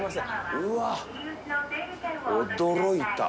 うわぁ、驚いた！